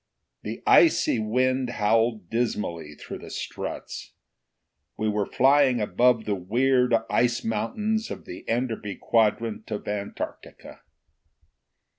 The icy wind howled dismally through the struts. We were flying above the weird ice mountains of the Enderby quadrant of Antarctica.